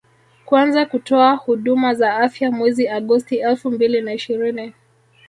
kuanza kutoa huduma za afya mwezi agosti elfu mbili na ishirini